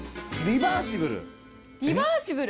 リバーシブル！